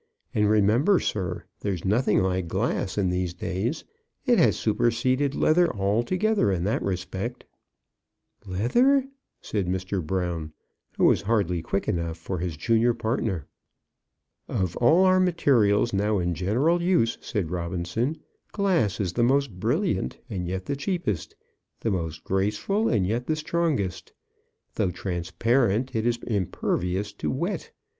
"And remember, sir, there's nothing like glass in these days. It has superseded leather altogether in that respect." "Leather!" said Mr. Brown, who was hardly quick enough for his junior partner. "Of all our materials now in general use," said Robinson, "glass is the most brilliant, and yet the cheapest; the most graceful and yet the strongest. Though transparent it is impervious to wet.